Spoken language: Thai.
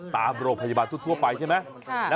ตามโรคพัฒน์ประเภบรรยบาลทั่วไปใช่ไหม